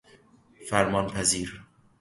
فرمان پذیر